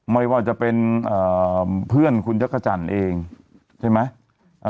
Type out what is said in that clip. ไม่ว่าจะเป็นเพื่อนคุณจักรจันทร์เองใช่ไหม